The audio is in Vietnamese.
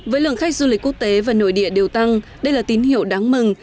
với lượng khách du lịch quốc tế và nội địa đều tăng đây là tín hiệu đáng mừng